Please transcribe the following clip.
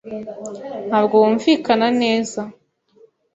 Ntabwo wumvikana neza.